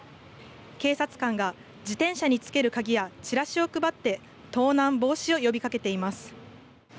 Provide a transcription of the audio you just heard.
警察官が自転車につける鍵やチラシを配って盗難防止を呼びかけています。